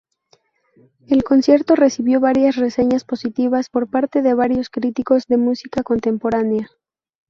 El concierto recibió varias reseñas positivas por parte de varios críticos de música contemporánea.